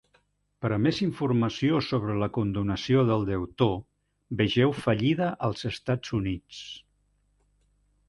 Per a més informació sobre la condonació del deutor, vegeu Fallida als Estats Units.